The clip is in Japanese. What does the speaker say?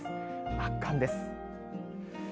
圧巻です。